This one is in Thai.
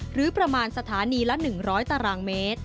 หรือประมาณสถานีละ๑๐๐ตรม